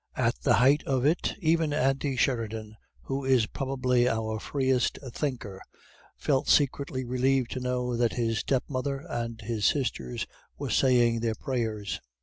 At the height of it, even Andy Sheridan, who is probably our freest thinker, felt secretly relieved to know that his stepmother and his sisters were saying their prayers.